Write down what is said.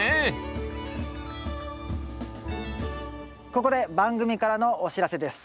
ここで番組からのお知らせです。